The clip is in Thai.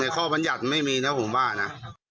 ข้อบัญญัติไม่มีนะผมว่านะ